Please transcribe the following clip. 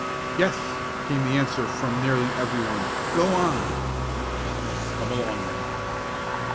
"Yes," came the answer from nearly every one. "Go on." "Come along, then!"